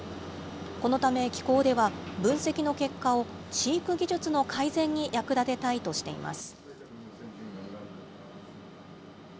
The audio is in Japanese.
このため機構では、分析の結果を飼育技術の改善に役立てたいとしています。